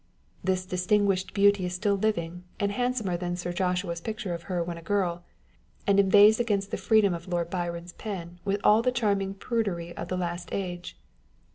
This distinguished beauty is still living, and handsomer than Sir Joshua's picture of her when a girl ; and inveighs against the freedom of Lord Byron's pen with all the charming prudery of the last age.